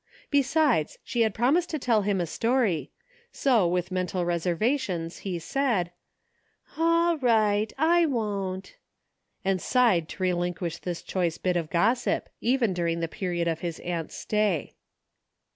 Besides, she had promised to tell him a story, so, with mental reservations, he said: " Aw right, I won't! " and sighed to relinquish this 157 THE FINDING OF JASPER HOLT choice bit of gossip, even during the period of his aunt's stay.